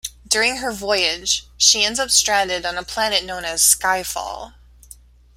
During her voyage, she ends up stranded on a planet known as Skyfall.